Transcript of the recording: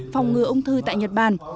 phòng ngừa ung thư tại nhật bản